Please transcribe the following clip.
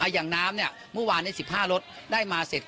อย่างน้ำเนี่ยเมื่อวาน๑๕รถได้มาเสร็จ